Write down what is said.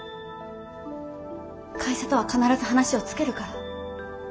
会社とは必ず話をつけるから。